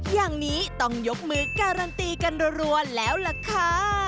อย่างนี้ต้องยกมือการันตีกันรัวแล้วล่ะค่ะ